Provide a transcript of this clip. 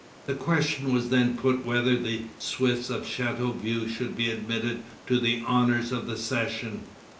The question was then put whether the Swiss of Chateauvieux should be admitted to the honors of the session.